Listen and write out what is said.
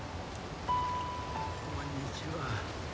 こんにちは。